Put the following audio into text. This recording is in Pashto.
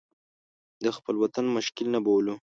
د خپل وطن مشکل نه بولو.